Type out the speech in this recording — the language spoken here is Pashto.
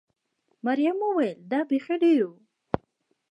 مريم وویل: دا بېخي ډېر و.